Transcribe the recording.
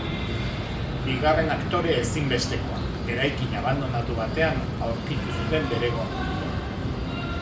Bigarren aktore ezinbestekoa, eraikin abandonatu batean aurkitu zuten bere gorpua.